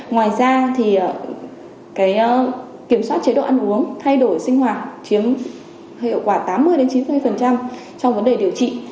ngoài ra thì kiểm soát chế độ ăn uống thay đổi sinh hoạt chiếm hệ quả tám mươi chín mươi trong vấn đề điều trị